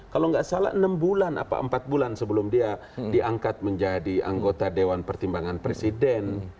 kalau nggak salah enam bulan apa empat bulan sebelum dia diangkat menjadi anggota dewan pertimbangan presiden